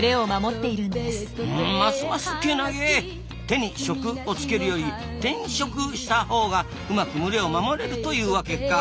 「手に職」を付けるより「転職」したほうがうまく群れを守れるというわけか。